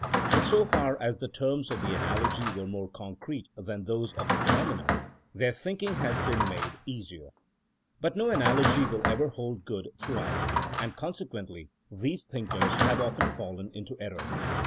In so far as the terms of the analogy were more concrete than those of the phenomena, their thinking has been made 56 THINEINO AS A 80IEN0E easier. But no analogy will ever hold good throughout, and consequently these thinkers have often fallen into error.